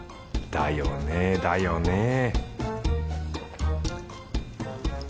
だよねだよね